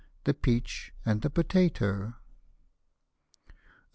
THE PEACH AND THE POTATOE. O